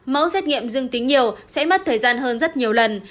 mẫu xét nghiệm dương tính nhiều sẽ mất thời gian hơn rất nhiều lần